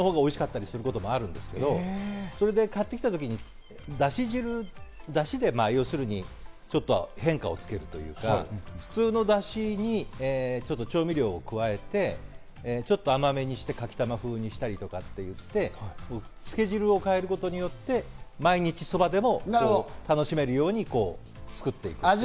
安い麺のほうが美味しかったりすることもあるんですけど、買って来た時にだし汁、だしで変化をつけるというか、普通のだしに調味料を加えて、ちょっと甘めにして、かきたま風にしたりとかして、つけ汁を変えることによって、毎日そばでも楽しめるように作っていく。